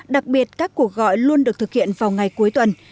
đặc biệt các cuộc gọi luôn được thực hiện vào ngày cuối tuần